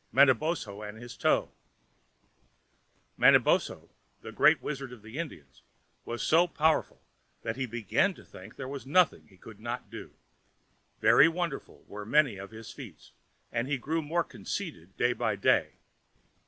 Manabozho and his Toe Manabozho, the great wizard of the Indians, was so powerful that he began to think there was nothing he could not do. Very wonderful were many of his feats, and he grew more conceited day by day.